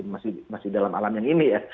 masih dalam alam yang ini ya